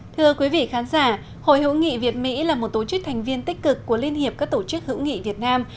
thưa quý vị khán giả hội hữu nghị việt mỹ là một tổ chức thành viên tích cực của liên hiệp các tổ chức hữu nghị việt nam